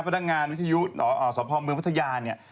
พระดังงานวิทยุสวภาพเมืองพัทยาเนี่ย